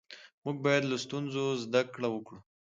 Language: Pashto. موږ باید له ستونزو زده کړه وکړو